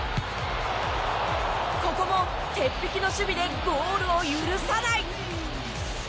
ここも鉄壁の守備でゴールを許さない。